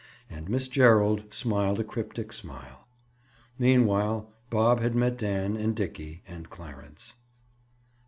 And Miss Gerald smiled a cryptic smile. Meanwhile Bob had met Dan and Dickie and Clarence.